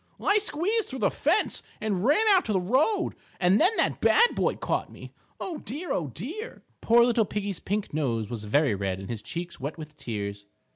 "I squeezed through the fence and ran out to the road, and then that bad boy caught me. Oh, dear, oh, dear!" Poor little Piggie's pink nose was very red and his cheeks wet with tears.